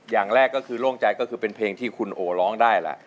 อย่างแรกก็คือโล่งใจก็คือเป็นเพลงที่คุณโอร้องได้ล่ะ